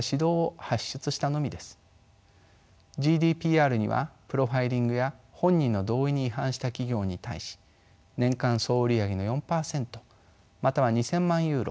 ＧＤＰＲにはプロファイリングや本人の同意に違反した企業に対し年間総売上の４％または２，０００万ユーロ